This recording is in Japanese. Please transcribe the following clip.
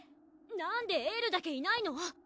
なんでエールだけいないの？